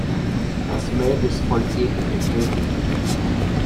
Das Mädel ist voll etepetete.